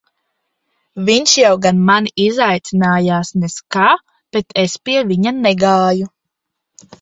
Viņš jau gan mani izaicinājās nez kā, bet es pie viņa negāju.